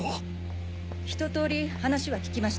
ひと通り話は聞きました。